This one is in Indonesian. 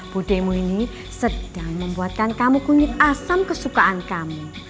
budemu ini sedang membuatkan kamu kunyit asam kesukaan kamu